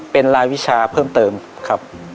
เป็นลายวิชาเพิ่มเติมครับ